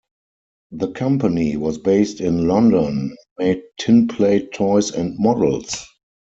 The company was based in London and made tinplate toys and models.